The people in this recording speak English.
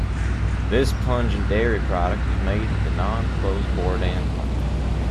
This pungent dairy product was made at the now-closed Borden plant.